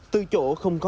từ chỗ không có